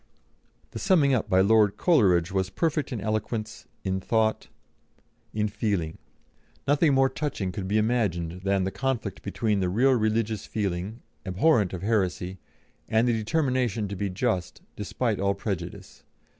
The summing up by Lord Coleridge was perfect in eloquence, in thought, in feeling. Nothing more touching could be imagined than the conflict between the real religious feeling, abhorrent of heresy, and the determination to be just, despite all prejudice.